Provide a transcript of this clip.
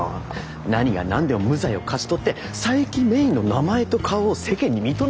何が何でも無罪を勝ち取って佐伯芽依の名前と顔を世間に認めさせるのよ。